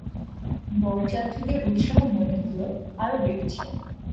বরযাত্রীদের উৎসাহ মনে হল আরো বেড়েছে।